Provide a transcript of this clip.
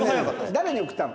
誰に送ったの？